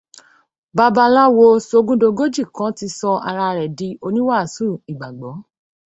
Babaláwo sogúndogójì kan ti sọ ara ẹ̀ di oníwàásù ìgbàgbọ́